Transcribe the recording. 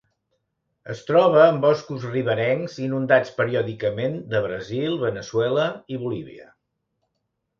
Es troba en boscos riberencs inundats periòdicament de Brasil, Veneçuela i Bolívia.